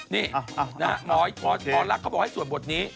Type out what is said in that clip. นี่นะฮะหมอลักษณ์เขาบอกให้สวดบทนี้